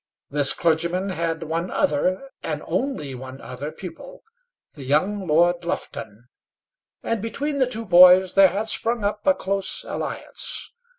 This clergyman had one other, and only one other, pupil the young Lord Lufton; and between the two boys, there had sprung up a close alliance.